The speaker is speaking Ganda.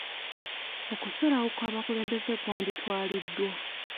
Okusalawo kw'abakulembeze kwanditwaliddwa.